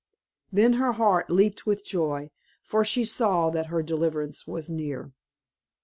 Then her heart leaped with joy, for she saw that her deliverance was near.